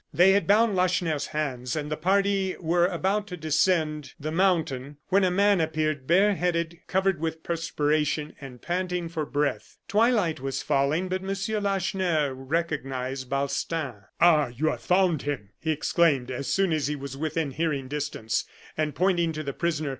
They had bound Lacheneur's hands, and the party were about to descend the mountain, when a man appeared, bareheaded, covered with perspiration, and panting for breath. Twilight was falling, but M. Lacheneur recognized Balstain. "Ah! you have him!" he exclaimed, as soon as he was within hearing distance, and pointing to the prisoner.